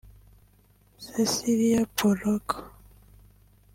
Cecilia Bolocco